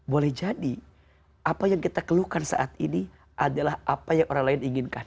boleh jadi apa yang kita keluhkan saat ini adalah apa yang orang lain inginkan